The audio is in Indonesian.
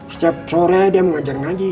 setiap sore dia mengajar ngaji